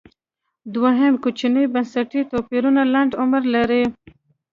دویم کوچني بنسټي توپیرونه لنډ عمر لري